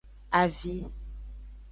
Avi.